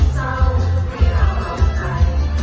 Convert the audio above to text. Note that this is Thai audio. สวัสดีครับ